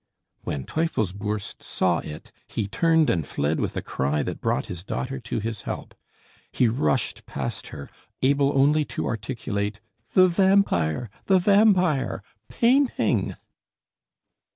When Teufelsbürst saw it, he turned and fled with a cry that brought his daughter to his help. He rushed past her, able only to articulate: "The vampire! The vampire! Painting!"